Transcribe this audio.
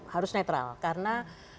harus netral karena